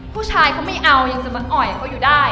ผู้ชายเขาไม่เอายังจะมาอ่อยเขาอยู่ได้